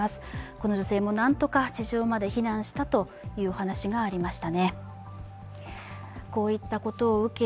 この女性もなんとか地上まで避難したというお話がありました。